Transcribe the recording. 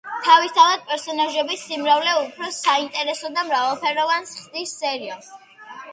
თავისთავად პერსონაჟების სიმრავლე უფრო საინტერესოს და მრავალფეროვანს ხდის სერიალს.